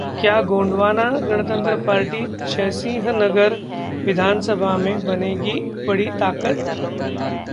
क्या गोंडवाना गणतंत्र पार्टी जयसिंहनगर विधानसभा में बनेगी बड़ी ताकत?